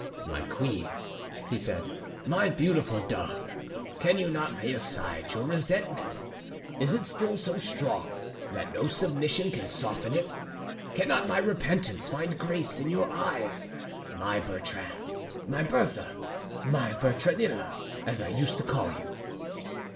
"My queen," he said, "my beautiful dove, can you not lay aside your resentment? Is it still so strong that no submission can soften it? Cannot my repentance find grace in your eyes? My Bertrande, my Bertha, my Bertranilla, as I used to call you."